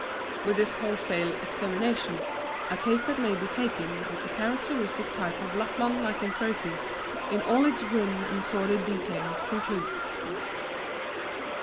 With this wholesale extermination a case that may be taken as a characteristic type of Lapland lycanthropy in all its grim and sordid details concludes.